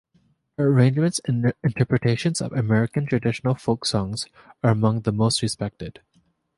Her arrangements and interpretations of American traditional folk songs are among the most respected.